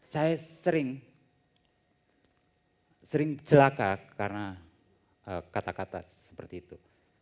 saya sering sering celaka karena kata kata seperti itu